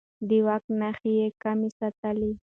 د واک نښې يې کمې ساتلې.